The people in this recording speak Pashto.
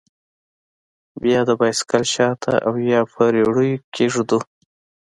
بيا يې د بايسېکل شاته او يا په رېړيو کښې ږدو.